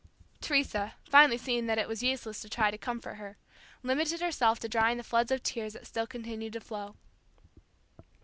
Teresa, finally seeing that it was useless to try to comfort her, limited herself to drying the floods of tears that still continued to flow.